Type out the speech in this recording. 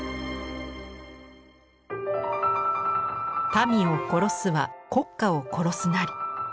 「民を殺すは国家を殺すなり」